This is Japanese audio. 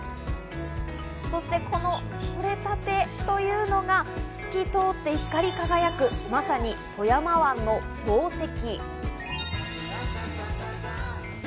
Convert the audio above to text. そして、このとれたてというのが透き通って光り輝く、まさに富山湾の宝石。